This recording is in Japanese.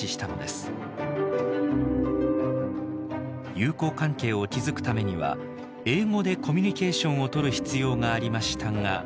友好関係を築くためには英語でコミュニケーションをとる必要がありましたが。